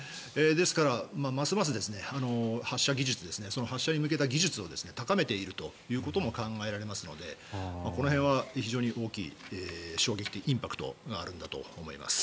ですから、ますます発射技術その発射に向けた技術を高めているということも考えられますのでこの辺は非常に大きい衝撃的、インパクトがあるんだと思います。